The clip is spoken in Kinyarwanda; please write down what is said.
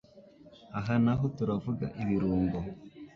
Aha naho turavuga ibirungo